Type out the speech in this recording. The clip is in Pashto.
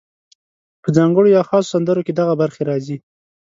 په ځانګړو یا خاصو سندرو کې دغه برخې راځي: